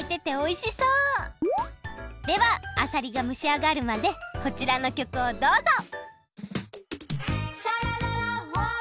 ではあさりがむしあがるまでこちらのきょくをどうぞ！